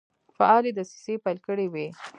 فعالي دسیسې پیل کړي وې.